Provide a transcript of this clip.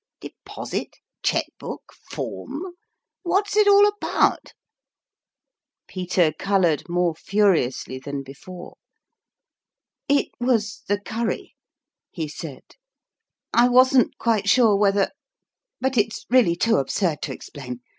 De posit ? check book ? form ? What is it all about ?" Peter colored more furiously than before. " It was the curry," he said. " I wasn't quite sure whether but it's really too absurd to explain.